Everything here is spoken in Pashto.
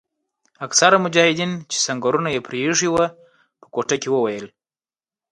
اکثره مجاهدین چې سنګرونه یې پریښي وو په کوټه کې وویل.